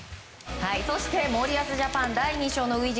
そして森保ジャパン第２章の初陣